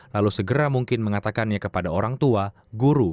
lalu segera mungkin mengatakannya kepada orang tua guru